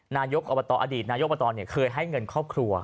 นายกอบตอดีตนายกอบตเคยให้เงินครอบครัว